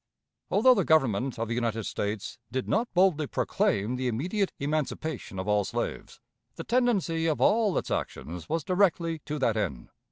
Although the Government of the United States did not boldly proclaim the immediate emancipation of all slaves, the tendency of all its actions was directly to that end.